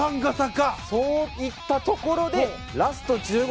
そういったところでラスト１５ｍ。